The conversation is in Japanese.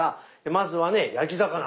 まずはね焼き魚。